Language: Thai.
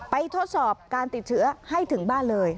ทดสอบการติดเชื้อให้ถึงบ้านเลย